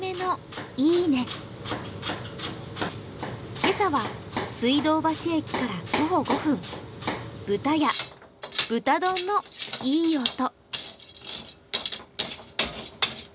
今朝は水道橋駅から徒歩５分、豚や、豚丼のいい音。